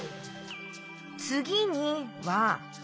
「つぎに」は。